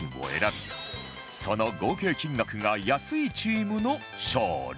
その合計金額が安いチームの勝利